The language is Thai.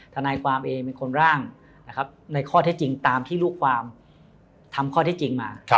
ทนายความเองเป็นคนร่างในข้อเท็จจริงตามที่ลูกความทำข้อที่จริงมา